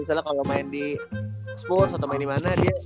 misalnya kalau main di spurs atau main dimana dia